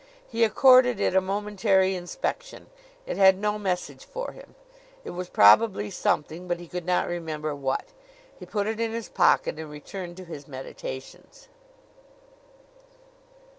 He accorded it a momentary inspection. It had no message for him. It was probably something; but he could not remember what. He put it in his pocket and returned to his meditations.